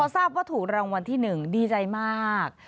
ทราบว่าถูกรางวัลที่๑ดีใจมาก